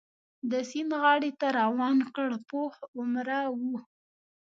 د سیند غاړې ته روان کړ، پوخ عمره و.